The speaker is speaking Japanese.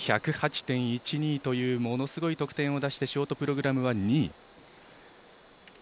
１０８．１２というものすごい得点を出してショートプログラムは２位。